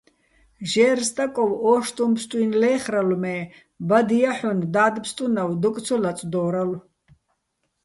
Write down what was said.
ჟე́რო̆ სტაკოვ ო́შტუჼ ფსტუ́ჲნო̆ ლე́ხრალო̆, მე ბადო̆ ჲაჰ̦ონ და́დფსტუნავ დოკ ცო ლაწდო́რალო̆.